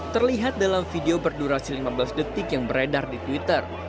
terlihat dalam video berdurasi lima belas detik yang beredar di twitter